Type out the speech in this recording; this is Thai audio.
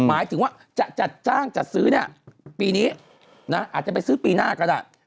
หมายถึงว่าจะจัดจ้างจัดซื้อเนี่ยปีนี้อาจจะไปซื้อปีหน้าก็ได้